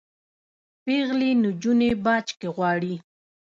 پیغلي نجوني باج کي غواړي